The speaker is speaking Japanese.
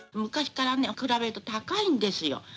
昔からね比べると高いんですよ。